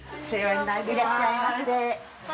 いらっしゃいませ。